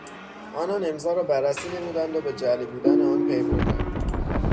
آنان امضا را بررسی نمودند و به جعلی بودن آن پیبردند.